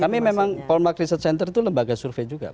kami memang polmark research center itu lembaga survei juga